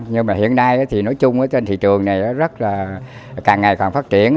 nhưng mà hiện nay nói chung trên thị trường này càng ngày càng phát triển